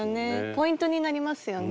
ポイントになりますよね。